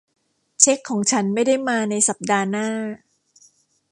เช็คของฉันไม่ได้มาในสัปดาห์หน้า